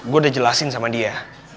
gue udah jelasin sama dia